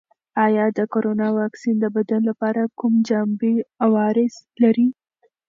آیا د کرونا واکسین د بدن لپاره کوم جانبي عوارض لري؟